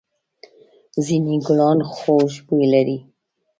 ځېنې گلان خوږ بوی لري.